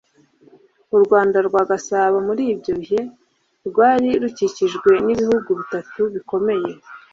U Rwanda rwa Gasabo muri ibyo bihe rwari rukikijwe n'ibihugu bitatu bikomeye